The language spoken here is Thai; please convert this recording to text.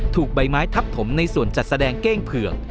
ถูกใบไม้ทับถมในส่วนจัดแสดงเก้งเผือก